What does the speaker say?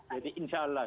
jadi insya allah